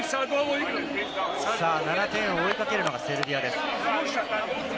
７点を追いかけるのがセルビアです。